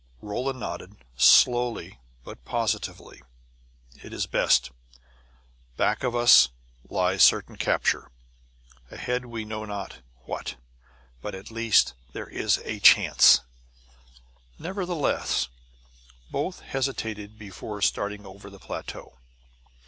Rolla nodded, slowly but positively. "It is best. Back of us lies certain capture. Ahead we know not what; but at least there is a chance!" Nevertheless, both hesitated before starting over the plateau.